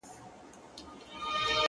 ما لیدلې د وزیرو په مورچو کي!